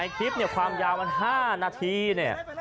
คลิปเนี่ยความยาวมัน๕นาทีเนี่ย